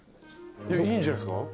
いやいいんじゃないですか？